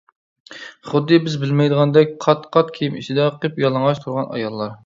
خۇددى بىز بىلمەيدىغاندەك، قات-قات كىيىم ئىچىدە قىپيالىڭاچ تۇرغان ئاياللار.